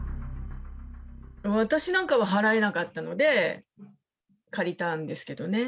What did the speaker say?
私なんかは払えなかったので、借りたんですけどね。